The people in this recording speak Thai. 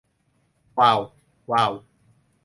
วาว วาว